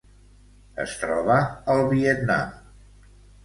Es troba al Vietnam.